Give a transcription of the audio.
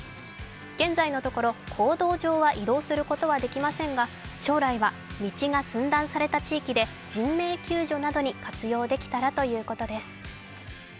現在のところ、公道上は移動することはできませんが、将来は道が寸断された地域で人命救助などに活用できたらということです。